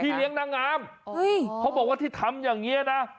ที่เลี้ยงนางามเฮ้ยเขาบอกว่าที่ทำอย่างเงี้ยนะ